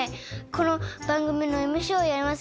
この番組のＭＣをやります。